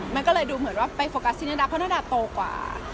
มันก็เลยดูเหมือนว่าไปโฟกัสซินิดาเพราะนาดาโตกว่า